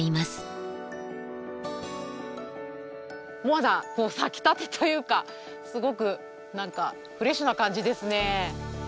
まだ咲きたてというかすごく何かフレッシュな感じですね。